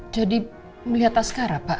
jadi melihat askara pak